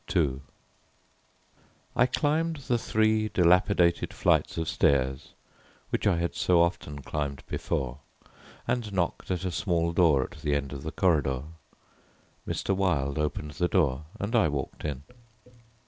II I climbed the three dilapidated flights of stairs, which I had so often climbed before, and knocked at a small door at the end of the corridor. Mr. Wilde opened the door and I walked in.